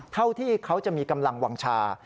เท่าที่เขาจะมีกำลังวางชา